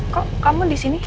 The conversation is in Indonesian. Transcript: kok kamu di sini